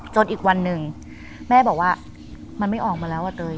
อีกวันหนึ่งแม่บอกว่ามันไม่ออกมาแล้วอะเตย